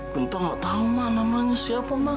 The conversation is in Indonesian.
genta gak tau namanya siapa mak